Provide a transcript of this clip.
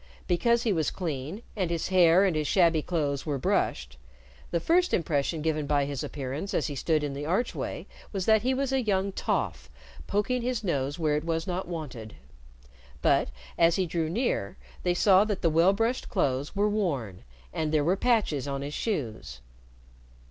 Because he was clean, and his hair and his shabby clothes were brushed, the first impression given by his appearance as he stood in the archway was that he was a young "toff" poking his nose where it was not wanted; but, as he drew near, they saw that the well brushed clothes were worn, and there were patches on his shoes.